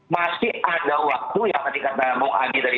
masih ada waktu yang akan dikatakan mau aneh dari